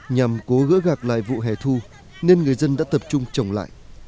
nhằm cố gỡ gạc lại vụ hè thu nên người dân đã tập trung trồng lại